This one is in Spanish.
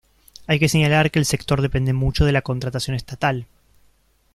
Hay que señalar que el sector depende mucho de la contratación estatal.